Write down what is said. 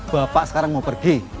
bapak sekarang mau pergi